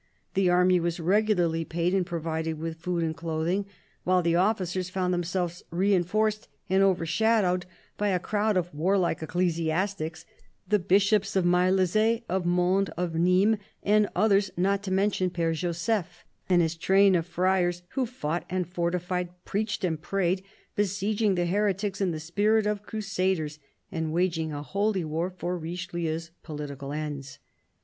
The army was regularly paid and provided with food and clothing, while the officers found themselves reinforced and overshadowed by a crowd of warlike ecclesiastics, the Bishops of Maillezais, of Mende, of Nimes, and others, not to mention Pere Joseph and his train of friars, who fought and fortified, preached and prayed, besieging the heretics in the spirit of crusaders and waging a holy war for Richelieu's political ends.